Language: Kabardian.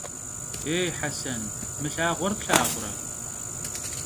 Yêy, Hesen! Mı lhağuer plhağure?